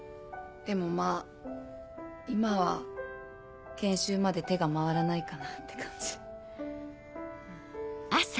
でもまぁ今は研修まで手が回らないかなって感じ。